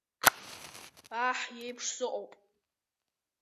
Аҳ иеиԥш сыҟоуп!